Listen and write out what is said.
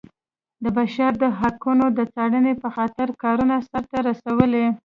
د بشر د حقونو د څارنې په خاطر کارونه سرته رسولي.